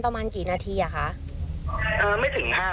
อย่างไม่เคยมีปัญหาอะไรกับใครอยู่นะ